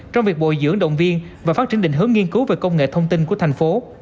trong việc bồi dưỡng động viên và phát triển định hướng nghiên cứu về công nghệ thông tin của thành phố